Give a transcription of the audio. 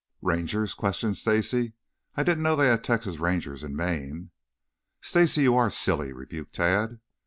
"Rangers?" questioned Stacy. "I didn't know they had Texas Rangers in Maine." "Stacy, you are silly," rebuked Tad.